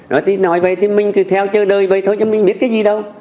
nói vậy thì mình cứ theo chơi đời vậy thôi chứ mình biết cái gì đâu